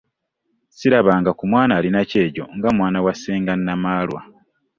Sirabanga ku mwana alina kyejo nga omwana wa ssenga Namaalwa.